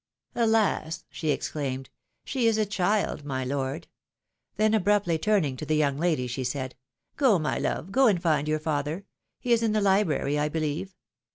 "Alas!" she exclaimed, "she is a child, my lord!" Then abruptly turning to the young lady, she said, " Go, my love, go and find your father ; he is in the library, I believe.